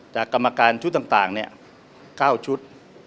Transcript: กรรมการชุดต่าง๙ชุด